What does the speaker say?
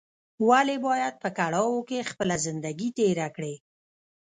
ولې باید په کړاوو کې خپله زندګي تېره کړې